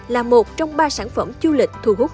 là một trong ba sản phẩm du lịch thu hút du khách